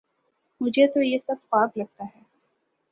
مجھے تو یہ سب خواب لگتا ہے